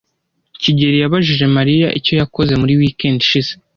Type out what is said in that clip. kigeli yabajije Mariya icyo yakoze muri weekend ishize.